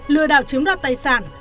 lừa đảo chiếm đoạt tài sản